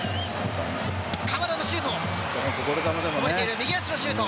鎌田のシュート。